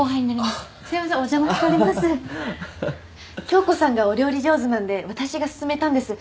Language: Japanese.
響子さんがお料理上手なんで私がすすめたんです。